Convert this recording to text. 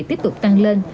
tiếp tục tăng lên